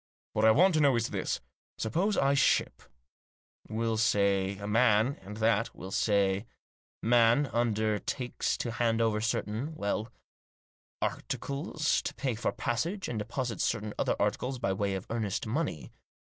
What I want to know is this. Suppose I ship, we'll say, a man, and that, we'll say, man, under takes to hand over certain — well, articles, to pay for passage, and deposits certain other articles by way of earnest money.